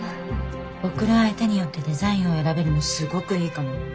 贈る相手によってデザインを選べるのすごくいいかも。